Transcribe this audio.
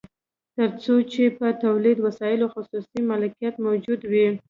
تر څو چې په تولیدي وسایلو خصوصي مالکیت موجود وي